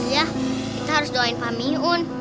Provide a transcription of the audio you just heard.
ya kita harus doain pak miun